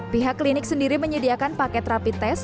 pihak klinik sendiri menyediakan paket rapi tes